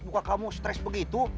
buka kamu stress begitu